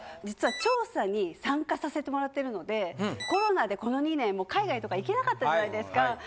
実は調査に参加させてもらってるのでコロナでこの２年海外とか行けなかったじゃないですか。